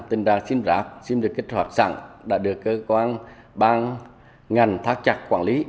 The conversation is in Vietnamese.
tình trạng sim rác sim được kích hoạt sẵn đã được cơ quan ban ngành thác chặt quản lý